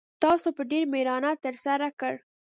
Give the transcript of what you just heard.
تاسو په ډېره میړانه ترسره کړ